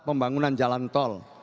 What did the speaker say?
pembangunan jalan tol